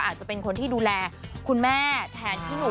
อาจจะเป็นคนที่ดูแลคุณแม่แทนพี่หนุ่ม